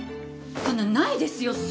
ななないですよ